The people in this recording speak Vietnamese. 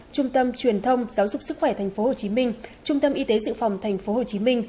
trung tâm truyền thông giáo dục sức khỏe tp hcm trung tâm y tế dự phòng tp hcm